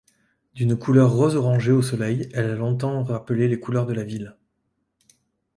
D'une couleur rose-orangée au soleil, elle a longtemps rappelé les couleurs de la ville.